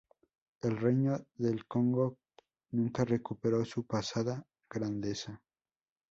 El Reino del Congo nunca recuperó su pasada grandeza.